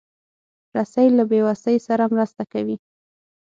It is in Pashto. رسۍ له بېوسۍ سره مرسته کوي.